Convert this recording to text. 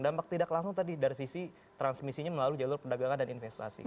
dampak tidak langsung tadi dari sisi transmisinya melalui jalur perdagangan dan investasi